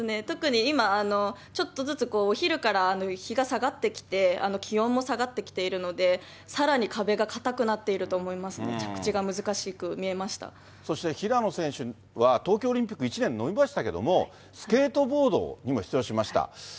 特に今、ちょっとずつお昼から日が下がってきて、気温も下がってきているので、さらに壁が硬くなっていると思いまそして平野選手は、東京オリンピック１年延びましたけれども、スケートボードにも出場しました。